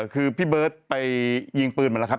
คือพี่เบิร์ตไปยิงปืนมาแล้วครับ